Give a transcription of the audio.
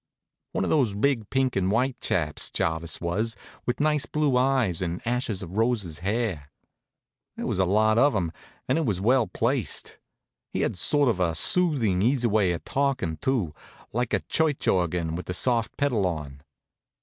One of those big pink and white chaps, Jarvis was, with nice blue eyes and ashes of roses hair. There was a lot of him, and it was well placed. He had sort of a soothing, easy way of talking, too, like a church organ with the soft pedal on.